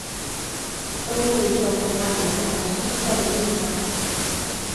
都对这幅画留下了深刻的印象